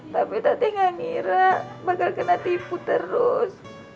tapi tadi gak ngira bakal kena tipu terus